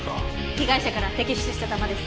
被害者から摘出した弾です。